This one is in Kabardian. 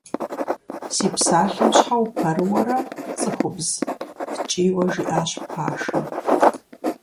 Си псалъэм щхьэ упэрыуэрэ, цӀыхубз? – ткӀийуэ жиӀащ пашэм.